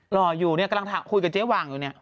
รออยู่เนี่ยกำลังคุยกับเจ๊หว่างอยู่เนี่ย